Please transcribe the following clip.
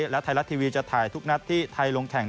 และไทยรัฐทีวีจะถ่ายทุกนัดที่ไทยลงแข่ง